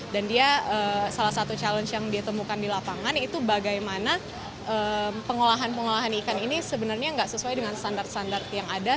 dan dia salah satu challenge yang dia temukan di lapangan itu bagaimana pengolahan pengolahan ikan ini sebenarnya nggak sesuai dengan standar standar yang ada